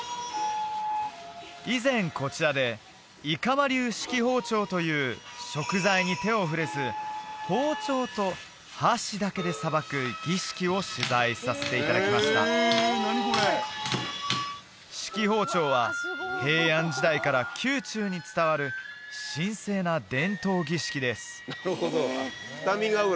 以前こちらで生間流式庖丁という食材に手を触れず包丁と箸だけでさばく儀式を取材させていただきました式庖丁は平安時代から宮中に伝わる神聖な伝統儀式です